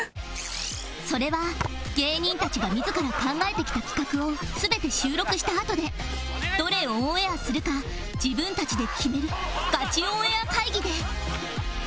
それは芸人たちが自ら考えてきた企画を全て収録したあとでどれをオンエアするか自分たちで決めるガチオンエア会議で